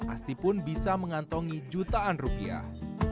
asti pun bisa mengantongi jutaan rupiah